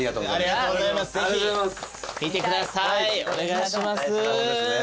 お願いします。